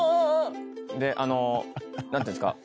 であの何ていうんですか。